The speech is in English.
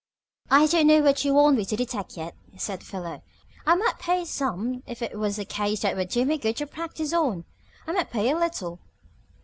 "I don't know what you want me to detect yet," said Philo. "I might pay some if it was a case that would do me good to practice on. I might pay a little."